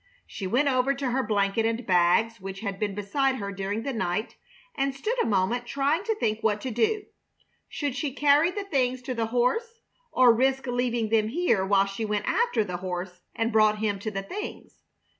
She went over to her blanket and bags, which had been beside her during the night, and stood a moment trying to think what to do. Should she carry the things to the horse or risk leaving them here while she went after the horse and brought him to the things?